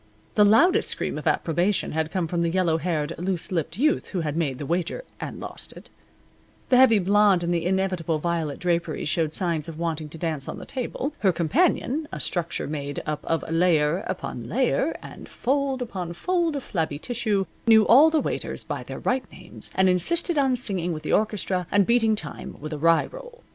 The loudest scream of approbation had come from the yellow haired, loose lipped youth who had made the wager, and lost it. The heavy blonde in the inevitable violet draperies showed signs of wanting to dance on the table. Her companion a structure made up of layer upon layer, and fold upon fold of flabby tissue knew all the waiters by their right names, and insisted on singing with the orchestra and beating time with a rye roll.